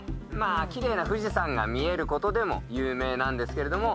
きれいな富士山が見える事でも有名なんですけれども。